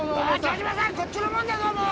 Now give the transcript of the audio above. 城島さんこっちのもんだぞもう。